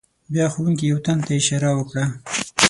بیا ښوونکي یو تن ته اشاره وکړه.